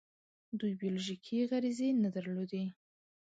دوی بیولوژیکي غریزې نه درلودې.